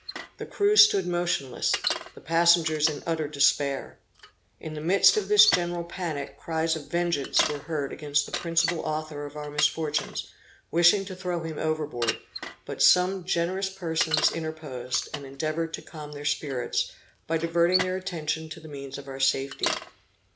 The crew stood motionless; the passengers in utter despair. In the midst of this general panic, cries of vengeance were heard against the principal author of our misfortunes, wishing to throw him overboard; but some generous persons interposed, and endeavored to calm their spirits, by diverting their attention to the means of our safety.